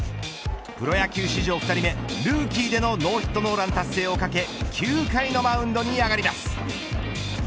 プロ野球史上２人目ルーキーでのノーヒットノーラン達成を懸け９回のマウンドに上がります。